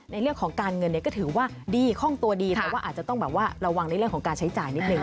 ในเรื่องของการเงินเนี่ยก็ถือว่าดีคล่องตัวดีแต่ว่าอาจจะต้องแบบว่าระวังในเรื่องของการใช้จ่ายนิดนึ